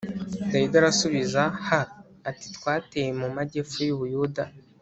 Dawidi arasubiza h ati twateye mu majyepfo y u Buyuda